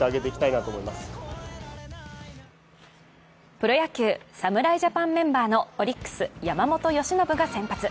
プロ野球、侍ジャパンメンバーのオリックス・山本由伸が先発。